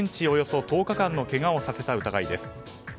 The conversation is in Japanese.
およそ１０日間のけがをさせた疑いです。